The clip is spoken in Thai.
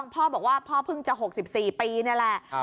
พ่อบอกว่าพ่อเพิ่งจะ๖๔ปีนี่แหละ